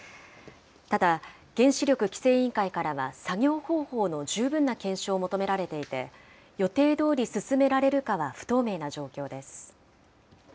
ただ、原子力規制委員会からは作業方法の十分な検証を求められていて、予定どおり進められるかは不透明な状況です。